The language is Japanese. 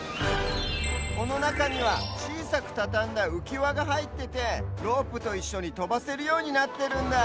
このなかにはちいさくたたんだうきわがはいっててロープといっしょにとばせるようになってるんだ。